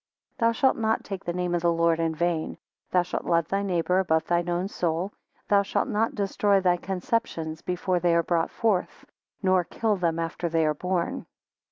10 Thou shalt not take the name of the Lord in vain. Thou shalt love thy neighbour above thy own soul, 11 Thou shalt not destroy thy conceptions, before they are brought forth; nor kill them after they are born.